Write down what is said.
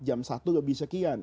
jam satu lebih sekian